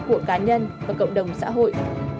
của cá nhân và cộng đồng xã hội